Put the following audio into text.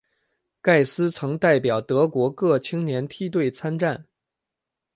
盖斯曾代表德国各青年梯队参战。